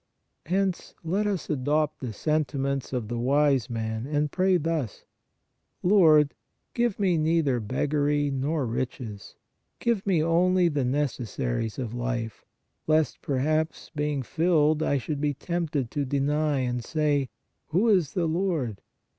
Hence let us adopt the sentiments of the Wise Man and pray thus: "Lord, give me neither beggary nor riches ; give me only the neces saries of life; lest perhaps, being filled, I should be tempted to deny and say: Who is the Lord?